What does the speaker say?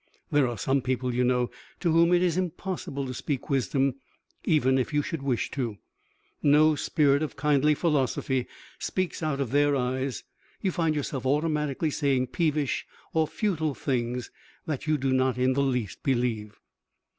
There are some people, you know, to whom it is impossible to speak wisdom even if you should wish to. No spirit of kindly philosophy speaks out of their eyes. You find yourself automatically saying peevish or futile things that you do not in the least believe.